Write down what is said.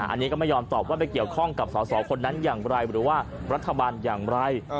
อันนี้ก็ไม่ยอมตอบว่าไปเกี่ยวข้องกับสอสอคนนั้นอย่างไรหรือว่ารัฐบาลอย่างไร